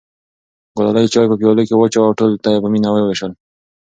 ګلالۍ چای په پیالو کې واچوه او ټولو ته یې په مینه وویشل.